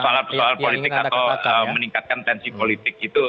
apa namanya persoalan persoalan politik atau meningkatkan tensi politik gitu